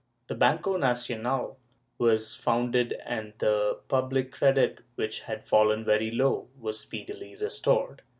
The Banco Nacional was founded and the public credit, which had ' fallen very low, was speedily restored.